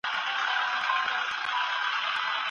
پرمختیايي هیوادونه به خپل اقتصاد پیاوړی کوي.